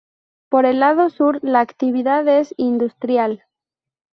Por el lado sur la actividad es industrial.